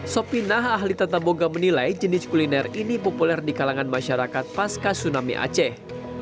sopinah ahli tata boga menilai jenis kuliner ini populer di kalangan masyarakat pasca tsunami aceh